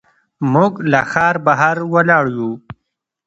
موږ له ښار بهر ولاړ یو.